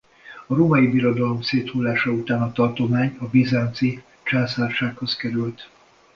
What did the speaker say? A Római Birodalom széthullása után a tartomány a Bizánci Császársághoz került.